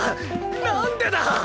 なんでだ！